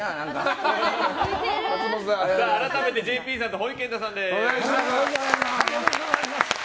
改めてＪＰさんと、ほいけんたさんです。